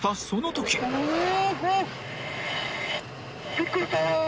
びっくりした。